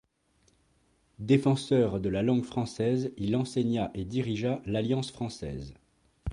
Défenseur de la langue française, il enseigna et dirigea l'Alliance française.